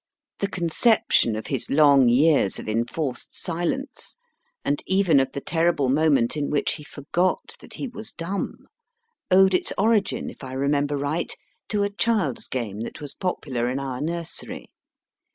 The conception of his long years of enforced silence, and even of the terrible moment in which he forgot that he was dumb, owed its origin, if I remember right, to a child s game that was popular in our nursery.